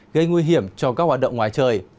gây nguy hiểm cho các hoạt động ngoài trời